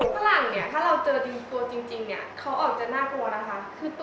มันก็หล่อกันหมดเลยอ่ะ